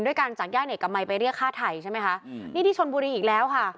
ด้วยการจากย่านเอกมัยไปเรียกฆ่าไทยใช่ไหมคะอืมนี่ที่ชนบุรีอีกแล้วค่ะ